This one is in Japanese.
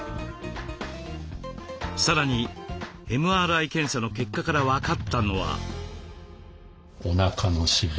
さらにＭＲＩ検査の結果から分かったのは。